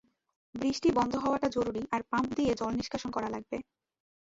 বৃষ্টি বন্ধ হওয়াটা জরুরি, আর পাম্প দিয়ে জল নিষ্কাশন করা লাগবে।